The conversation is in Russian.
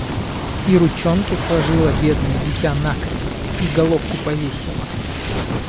И ручонки сложило бедное дитя накрест, и головку повесило…